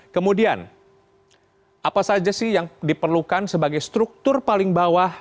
kemudian apa saja sih yang diperlukan sebagai struktur paling bawah